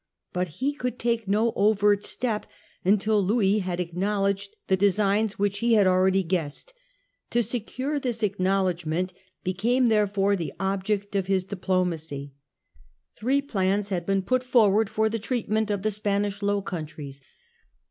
But he could take no overt step until Louis had acknow ledged the designs which he had already guessed. To secure this acknowledgment became therefore the object of his diplomacy. Three plans had been put forward for the treatment of the Spanish Low Countries.